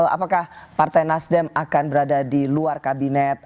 apakah partai nasdem akan berada di luar kabinet